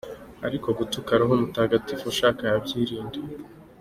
Ariko gutuka Roho Mutagatifu uwashaka yabyirinda.